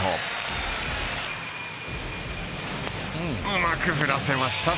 うまく振らせました。